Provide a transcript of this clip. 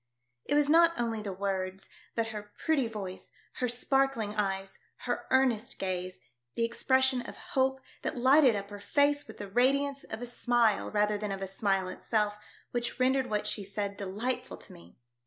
It was not only the words, but her pretty voice, her sparkling eyes, her earnest gaze, the expression of hope that lighted up her face with the radiance of a smile rather than of a smile itself, which rendered what she said delightful to me.